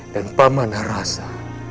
dan pamanah rasa